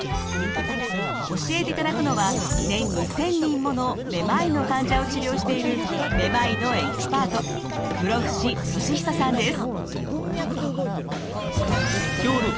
教えていただくのは年に１，０００人ものめまいの患者を治療しているめまいのエキスパート室伏利久さんです。